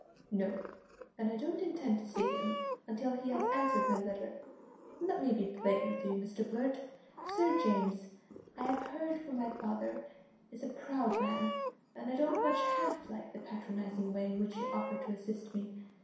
"No, and I don't intend to see him until he has answered my letter. Let me be plain with you, Mr Blurt. Sir James, I have heard from my father, is a proud man, and I don't much [half] like the patronising way in which he offered to assist me.